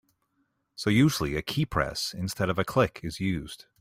So usually a keypress instead of a click is used.